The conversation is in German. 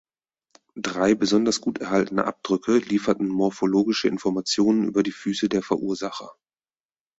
Drei besonders gut erhaltene Abdrücke lieferten morphologische Informationen über die Füße der Verursacher.